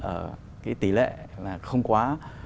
ở cái tỷ lệ là không quá